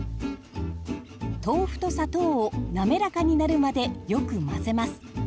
豆腐と砂糖をなめらかになるまでよく混ぜます。